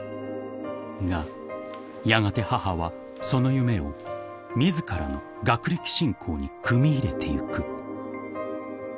［がやがて母はその夢を自らの学歴信仰に組み入れてゆく］